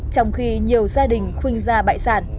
trong khi nhiều gia đình khuyên gia bại sản